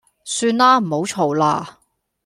算啦，唔好嘈啦